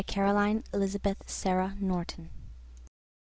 Caroline Elizabeth Sarah Norton.